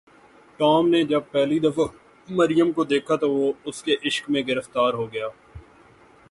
Tom نے جب پہلی دفعہ مریم کو دیکھا تو وہ اس کے عشق میں گرفتار ہو گیا۔